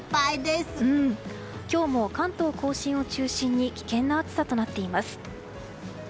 今日も関東・甲信を中心に危険な暑さとなっています。